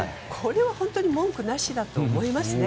文句なしだと思いますね。